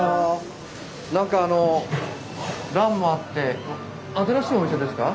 何かあの蘭もあって新しいお店ですか？